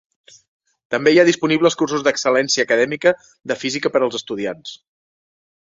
També hi ha disponibles cursos d'excel·lència acadèmica de física per als estudiants.